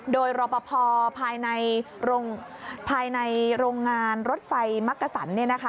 โดยรบพอภายในโรงงานรถไฟมักกะสัน